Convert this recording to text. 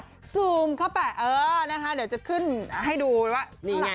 จะขึ้นให้ดูไหมว่า